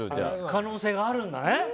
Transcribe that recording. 可能性があるならね。